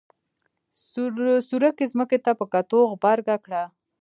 سورکي ځمکې ته په کتو غبرګه کړه.